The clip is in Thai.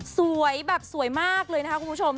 สวยแบบสวยมากเลยนะคะคุณผู้ชม